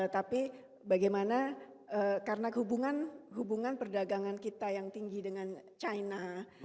tapi bagaimana karena hubungan perdagangan kita yang tinggi dengan china